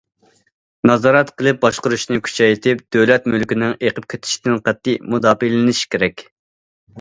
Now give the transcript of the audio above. نازارەت قىلىپ باشقۇرۇشنى كۈچەيتىپ، دۆلەت مۈلكىنىڭ ئېقىپ كېتىشىدىن قەتئىي مۇداپىئەلىنىش كېرەك.